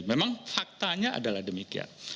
memang faktanya adalah demikian